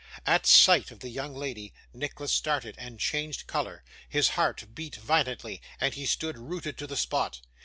At sight of the young lady, Nicholas started and changed colour; his heart beat violently, and he stood rooted to the spot.